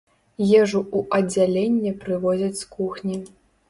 Ежу ў аддзяленне прывозяць з кухні.